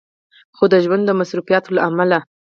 خو د ژوند د مصروفياتو له عمله